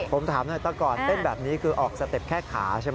ผมถามหน่อยแต่ก่อนเต้นแบบนี้คือออกสเต็ปแค่ขาใช่ไหม